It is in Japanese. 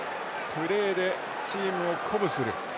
プレーでチームを鼓舞する。